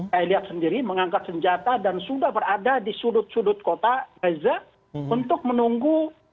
saya lihat sendiri mengangkat senjata dan sudah berada di sudut sudut kota gaza untuk menunggu